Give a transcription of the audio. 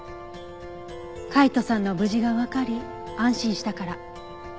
海斗さんの無事がわかり安心したから。